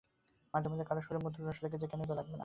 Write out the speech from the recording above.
মাঝে মাঝে কারও সুরে মধুর রস লেগেছে–কেনই বা লাগবে না?